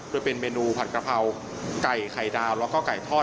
โดยเป็นเมนูผัดกะเพราไก่ไข่ดาวแล้วก็ไก่ทอด